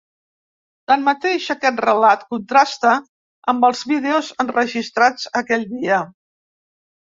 Tanmateix, aquest relat contrasta amb els vídeos enregistrats aquell dia.